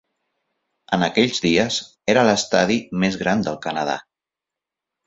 En aquells dies, era l'estadi més gran del Canadà.